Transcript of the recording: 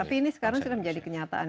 tapi ini sekarang sudah menjadi kenyataan